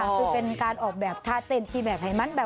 ถ้าเป็นการออกแบบถ่ายเตรียมทีแบบไหนมา